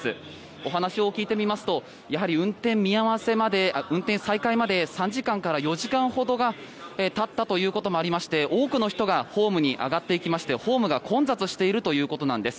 お話を聞いてみますとやはり運転再開まで３時間から４時間ほどたったということもありまして多くの人がホームに上がっていきましてホームが混雑しているということです。